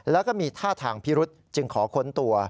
แล้วก็มีท่าทางพิรุษจึงขอค้นตัว